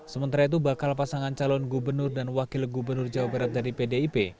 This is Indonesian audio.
sementara itu bakal pasangan calon gubernur dan wakil gubernur jawa barat dari pdip